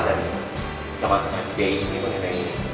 dan teman teman bi ini mengenai